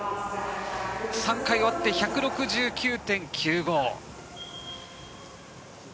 ３回終わって１６９．９５。